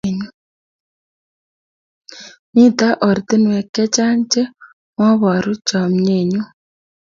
Mito ortinwek che chang' che muaboru chamyenyu